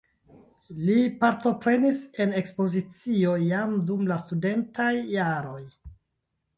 Li partoprenis en ekspozicio jam dum la studentaj jaroj.